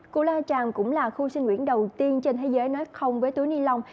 cụ lao chàm cũng là khu sinh nguyện đầu tiên trên thế giới nói không với túi ni lông